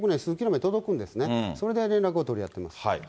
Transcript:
圏内、届くんですね、それで連絡を取り合っています。